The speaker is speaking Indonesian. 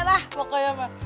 ada lah pokoknya mah